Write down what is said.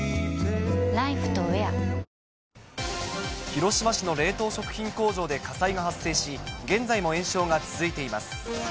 広島市の冷凍食品工場で火災が発生し、現在も延焼が続いています。